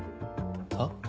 はっ？